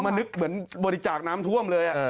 นึกเหมือนบริจาคน้ำท่วมเลย